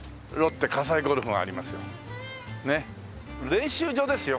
練習場ですよ